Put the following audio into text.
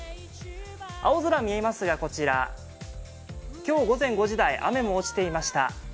青空見えますが、こちら、今日午前５時台雨も落ちていました。